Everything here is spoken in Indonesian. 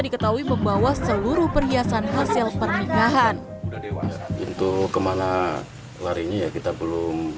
diketahui membawa seluruh perhiasan hasil pernikahan itu kemana larinya ya kita belum